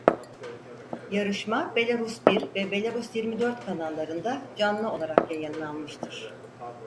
Yarışma Belarus bir ve Belarus yirmi dört kanallarında canlı olarak yayınlanmıştır.